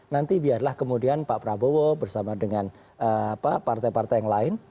nanti biarlah kemudian pak prabowo bersama dengan partai partai yang lain